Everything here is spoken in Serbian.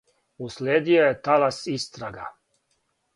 Услиједио је талас истрага.